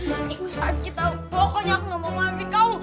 eh usah diketahu pokoknya aku gak mau maafin kamu